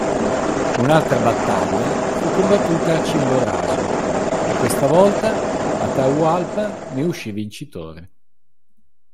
Un'altra battaglia fu combattuta a Chimborazo, e questa volta Atahualpa ne uscì vincitore.